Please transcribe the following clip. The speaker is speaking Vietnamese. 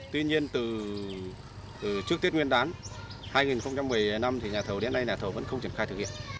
tuy nhiên từ trước tết nguyên đán hai nghìn một mươi năm nhà thầu đến nay nhà thầu vẫn không triển khai thực hiện